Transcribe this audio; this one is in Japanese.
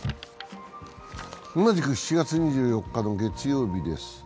同じく７月２４日の月曜日です